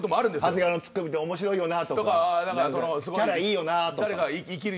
長谷川のツッコミ面白いよなとかキャラいいよなとか。